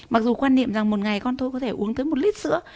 mặc dù quan niệm rằng một ngày con tôi có thể uống tới một lít sữa